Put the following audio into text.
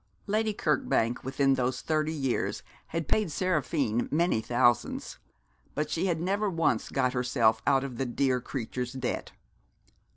Lady Kirkbank within those thirty years had paid Seraphine many thousands; but she had never once got herself out of the dear creature's debt.